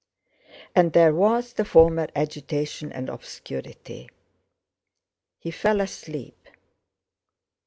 And there was the former agitation and obscurity. He fell asleep.